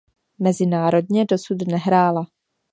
Mezinárodně dosud nehrála.